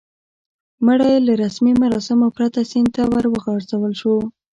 مړی یې له رسمي مراسمو پرته سیند ته ور وغورځول شو.